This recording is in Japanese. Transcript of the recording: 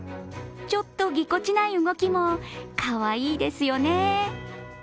ちょっとぎこちない動きもかわいいですよね。